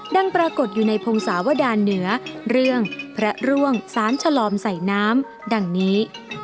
ปรากฏอยู่ในพงศาวดานเหนือเรื่องพระร่วงสารฉลอมใส่น้ำดังนี้